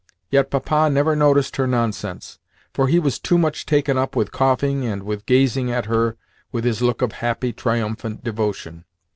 Yet Papa never noticed her nonsense, for he was too much taken up with coughing and with gazing at her with his look of happy, triumphant devotion.